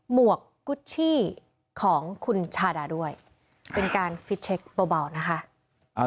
หมวกกุฏชี้ของคุณชาดาด้วยเป็นการบ่าวบ่าวนะคะอ่า